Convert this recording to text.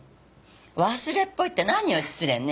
忘れっぽいって何よ失礼ね。